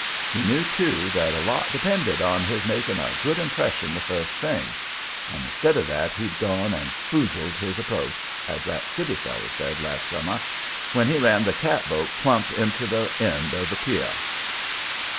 He knew, too, that a lot depended on his making a good impression the first thing, and instead of that he'd gone and "foozled his approach," as that city feller said last summer when he ran the catboat plump into the end of the pier.